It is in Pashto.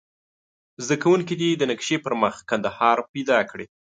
زده کوونکي دې د نقشې پر مخ کندهار پیدا کړي.